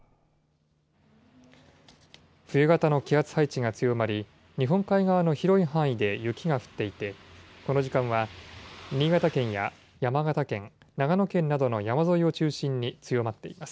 冬型の気圧配置が強まり、日本海側の広い範囲で雪が降っていて、この時間は、新潟県や山形県、長野県などの山沿いを中心に強まっています。